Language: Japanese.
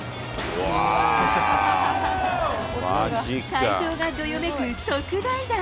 会場がどよめく特大弾。